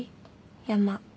山。